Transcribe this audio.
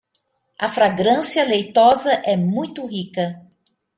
A fragrância leitosa é muito rica